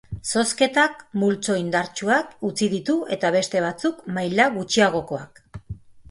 Zozketak multzo indartsuak utzi ditu eta beste batzuk maila gutxiagokoak.